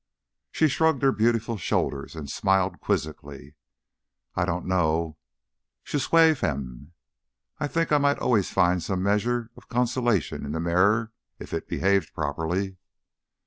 She shrugged her beautiful shoulders and smiled quizzically. "I don't know. Je suis femme. I think I might always find some measure of consolation in the mirror if it behaved properly."